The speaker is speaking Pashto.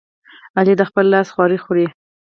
علي د خپل لاس خواري خوري.